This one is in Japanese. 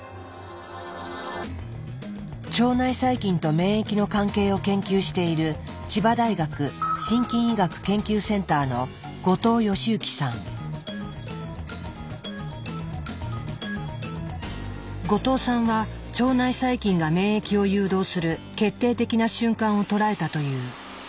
腸内細菌と免疫の関係を研究している後藤さんは腸内細菌が免疫を誘導する決定的な瞬間を捉えたという。